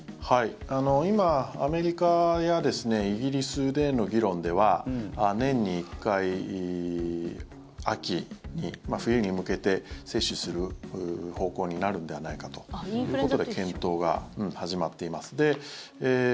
今アメリカやイギリスでの議論では年に１回、秋に冬に向けて接種する方向になるんではないかということで検討が始まっています。